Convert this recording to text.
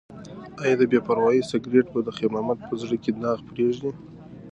ایا د بې پروایۍ سګرټ به د خیر محمد په زړه کې داغ پریږدي؟